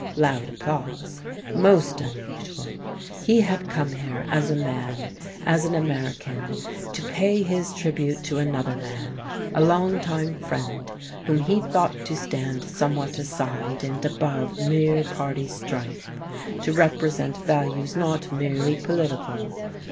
(Loud applause.) Most unusual. He had come here as a man, as an American, to pay his tribute to another man, a long time friend, whom he thought to stand somewhat aside and above mere party strife, to represent values not merely political....